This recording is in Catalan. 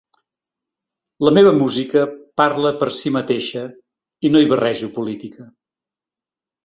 La meva música parla per si mateixa, i no hi barrejo política.